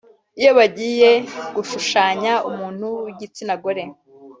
iyo bagiye gushushanya umuntu w’igitsina gore